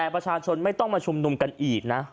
ภาชนไม่ต้องมาชุมนุมกันอีกนะ